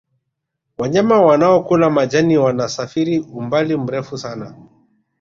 wanyama wanaokula majani wanasafiri umbali mrefu sana